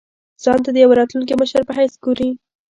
ځان ته د یوه راتلونکي مشر په حیث ګوري.